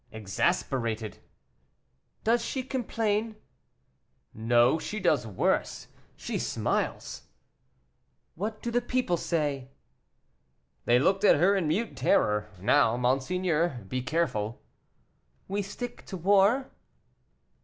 "Exasperated." "Does she complain?" "No, she does worse, she smiles." "What do the people say?" "They looked at her in mute terror; now, monseigneur, be careful." "We stick to war?"